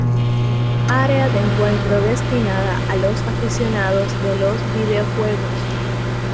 Área de encuentro destinada a los aficionados de los videojuegos.